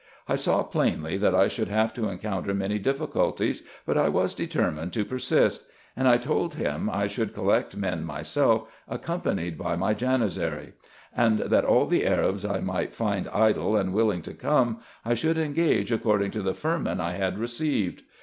I saw plainly, that I should have to encounter many difficulties, but I was determined to persist ; and I told him, I should collect men myself, accompanied by my Janizary ; and that all the Arabs I might find idle and willing to come, I should engage, according to the firman I had received.